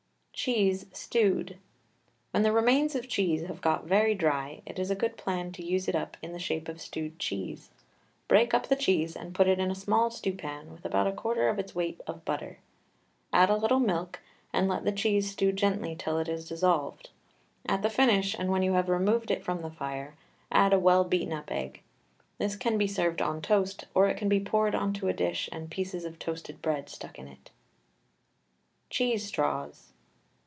CHEESE, STEWED. When the remains of cheese have got very dry it is a good plan to use it up in the shape of stewed cheese. Break up the cheese and put it in a small stew pan with about a quarter its weight of butter; add a little milk, and let the cheese stew gently till it is dissolved. At the finish, and when you have removed it from the fire, add a well beaten up egg. This can be served on toast, or it can be poured on to a dish and pieces of toasted bread stuck in it. CHEESE STRAWS.